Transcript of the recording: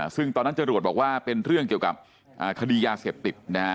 ซึ่งตอนนั้นจรวดบอกว่าเป็นเรื่องเกี่ยวกับคดียาเสพติดนะฮะ